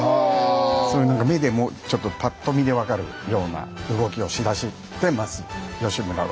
そういう何か目でもちょっとパッと見で分かるような動きをしだしてます義村は。